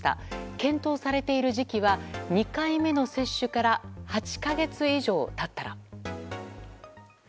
検討されている時期は２回目の接種から８か月以上経ったら。